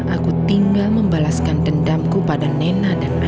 aku tinggal membalaskan dendamku pada nena dan anak